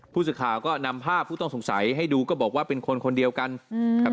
ผู้สื่อข่าวก็นำภาพผู้ต้องสงสัยให้ดูก็บอกว่าเป็นคนคนเดียวกันครับ